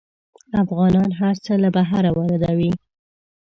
افغانان هر څه له بهر واردوي.